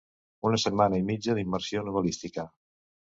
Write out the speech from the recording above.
Una setmana i mitja d'immersió novel·lística.